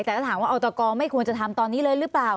แต่ถ้าถามว่าออตกไม่ควรจะทำตอนนี้เลยหรือเปล่า